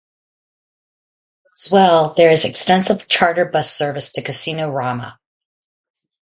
As well, there is extensive charter bus service to Casino Rama.